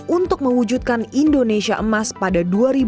untuk mewujudkan indonesia emas pada dua ribu dua puluh